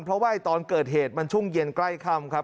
เพราะว่าตอนเกิดเหตุมันช่วงเย็นใกล้ค่ำครับ